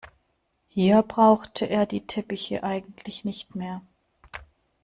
Hier brauchte er die Teppiche eigentlich nicht mehr.